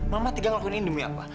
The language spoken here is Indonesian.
mama tidak melakukannya demi apa